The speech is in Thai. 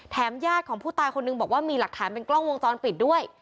ญาติของผู้ตายคนหนึ่งบอกว่ามีหลักฐานเป็นกล้องวงจรปิดด้วย